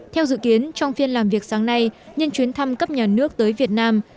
theo dự kiến trong phiên làm việc sáng nay nhân chuyến thăm cấp nhà nước tới việt nam